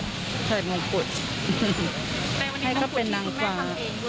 มงคุดที่คุณแม่ทำเองด้วยใช่ไหมคะให้เขาเป็นนางฟ้า